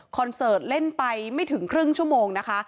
เสิร์ตเล่นไปไม่ถึงครึ่งชั่วโมงนะคะ